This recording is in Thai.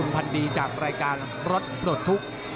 พันดีจากรายการรถปลดทุกข์